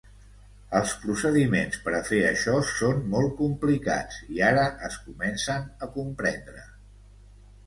Els procediments per a fer això són molt complicats i ara es comencen a comprendre.